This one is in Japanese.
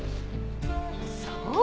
そう。